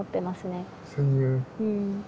うん。